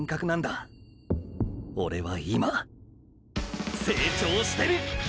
オレは今成長してる！！